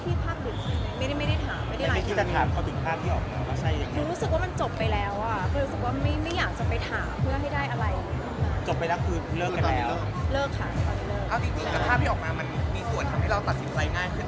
คุณค่ะคุณค่ะคุณค่ะคุณค่ะคุณค่ะคุณค่ะคุณค่ะคุณค่ะคุณค่ะคุณค่ะคุณค่ะคุณค่ะคุณค่ะคุณค่ะคุณค่ะคุณค่ะคุณค่ะคุณค่ะคุณค่ะคุณค่ะคุณค่ะคุณค่ะคุณค่ะคุณค่ะคุณค่ะคุณค่ะคุณค่ะคุณค่ะคุณค่ะคุณค่ะคุณค่ะคุณค